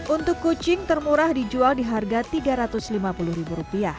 untuk kucing termurah dijual di harga rp tiga ratus lima puluh